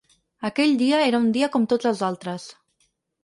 Aquell dia era un dia com tots els altres.